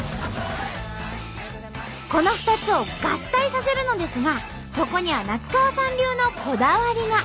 この２つを合体させるのですがそこには夏川さん流のこだわりが。